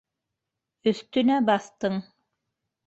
Өҫтөнә баҫтың.